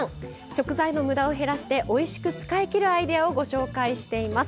食材のムダを減らしておいしく使いきるアイデアをご紹介しています。